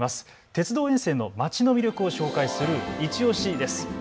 鉄道沿線の町の魅力を紹介するいちオシです。